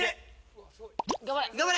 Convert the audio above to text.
頑張れ！